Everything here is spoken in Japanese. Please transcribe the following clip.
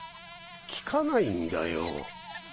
聞かないんだよ。